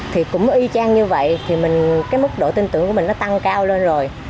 thì cũng y chang như vậy thì cái mức độ tin tưởng của mình nó tăng cao lên rồi